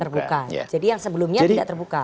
terbuka jadi yang sebelumnya tidak terbuka